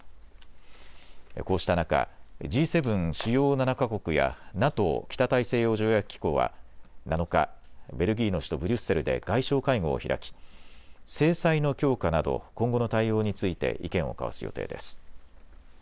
こうした中、Ｇ７・主要７か国やＮＡＴＯ・北大西洋条約機構は７日、ベルギーの首都ブリュッセルで外相会合を開き制裁の強化など今後の対応について意見を交わす予定です。